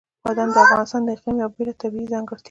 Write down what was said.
بادام د افغانستان د اقلیم یوه بله طبیعي ځانګړتیا ده.